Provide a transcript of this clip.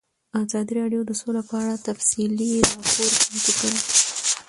ازادي راډیو د سوله په اړه تفصیلي راپور چمتو کړی.